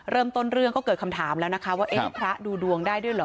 เริ่มต้นเรื่องก็เกิดคำถามแล้วนะคะว่าเอ๊ะพระดูดวงได้ด้วยเหรอ